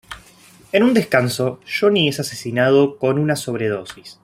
En un descanso, Johnny es asesinado con una sobredosis.